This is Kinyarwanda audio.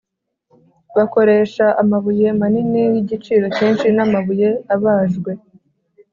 bakoresha amabuye manini y’igiciro cyinshi n amabuye abajwe